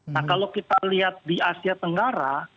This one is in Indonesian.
nah kalau kita lihat di asia tenggara